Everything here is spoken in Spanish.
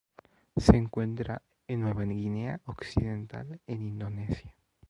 Se encuentra en Nueva Guinea Occidental en Indonesia.